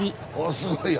すごいや。